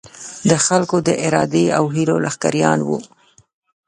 د خلکو د ارادې او هیلو لښکریان وو.